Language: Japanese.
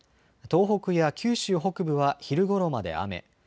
東北や九州北部は昼ごろまで雨。